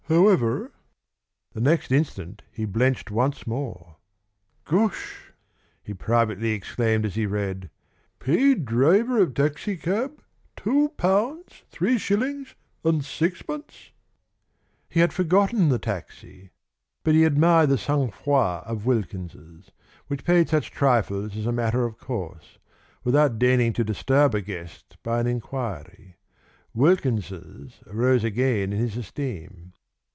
"However " The next instant he blenched once more. "Gosh!" he privately exclaimed as he read: "Paid driver of taxicab £2 3 6." He had forgotten the taxi. But he admired the sang froid of Wilkins's, which paid such trifles as a matter of course, without deigning to disturb a guest by an enquiry. Wilkins's rose again in his esteem.